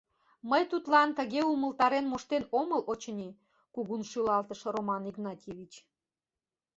— Мый тудлан тыге умылтарен моштен омыл, очыни, — кугун шӱлалтыш Роман Игнатьевич.